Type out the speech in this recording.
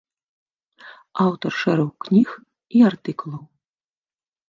Аўтар шэрагу кніг і артыкулаў.